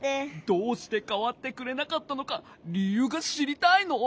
どうしてかわってくれなかったのかりゆうがしりたいの？